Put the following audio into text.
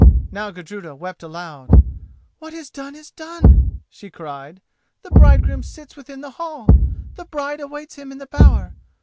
Now Gudruda wept aloud. "What is done is done," she cried; "the bridegroom sits within the hall—the bride awaits him in the bower.